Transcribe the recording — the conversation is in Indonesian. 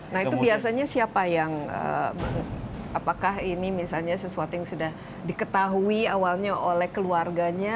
nah itu biasanya siapa yang apakah ini misalnya sesuatu yang sudah diketahui awalnya oleh keluarganya